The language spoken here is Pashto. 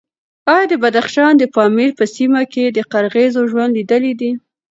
ایا د بدخشان د پامیر په سیمه کې د قرغیزو ژوند لیدلی دی؟